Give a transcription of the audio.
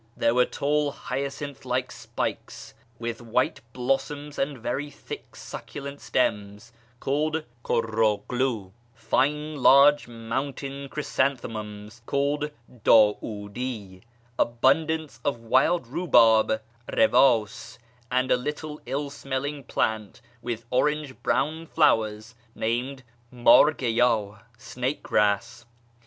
There were tall, hyacinth like spikes, with white blossoms and very thick succulent stems, called KurroghUt ; fine large mountain chrysanthemums, called Dd'i^idi; abundance of wild rhubarb (Biwds) ; and a little ill smelling plant with orange brown flowers, named Mdr giydh (snake grass).